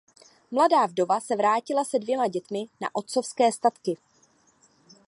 Mladá vdova se vrátila se dvěma dětmi na otcovské statky.